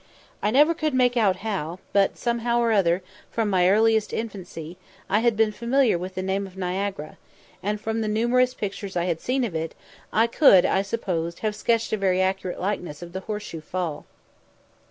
I never could make out how, but somehow or other, from my earliest infancy, I had been familiar with the name of Niagara, and, from the numerous pictures I had seen of it, I could, I suppose, have sketched a very accurate likeness of the Horse shoe Fall.